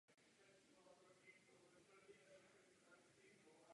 Jedním z protestujících byl John Hancock.